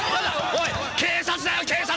おいっ警察だよ警察！